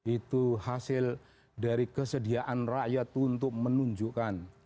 itu hasil dari kesediaan rakyat untuk menunjukkan